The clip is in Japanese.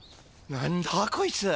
何だこいつ。